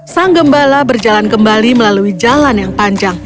sang gembala berjalan kembali melalui jalan yang panjang